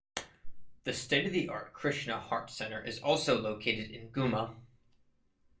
The state-of-the-art Krishna Heart Center is also located in Ghuma.